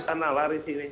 lari sana lari sini